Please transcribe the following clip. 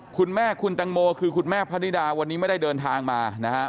คุณแม่คุณตังโมคือคุณแม่พนิดาวันนี้ไม่ได้เดินทางมานะครับ